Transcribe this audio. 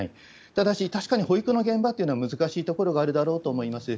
ただし、確かに保育の現場っていうのは難しいところがあるだろうと思います。